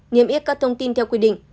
nghiêm yết các thông tin theo quy định